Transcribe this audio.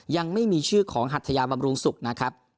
ยังไม่มีชื่อของหัทยาบำรุงศุกร์นะครับ